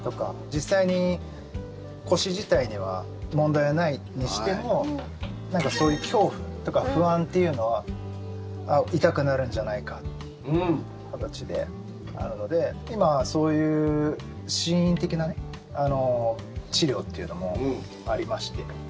実際に腰自体には問題はないにしても何かそういう恐怖とか不安というのは痛くなるんじゃないかっていう形であるので今、そういう心因的な治療というのもありまして。